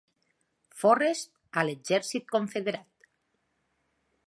Forrest a l'exèrcit confederat.